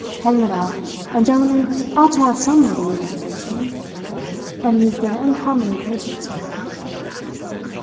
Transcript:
Hang it all, a gentleman ought to have some little relaxation! And you have been uncommonly patient, sir."